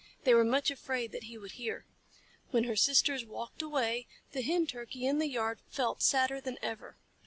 They were much afraid that he would hear. When her sisters walked away, the Hen Turkey in the yard felt sadder than ever.